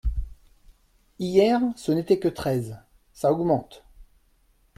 Hier, ce n’était que treize… ça augmente…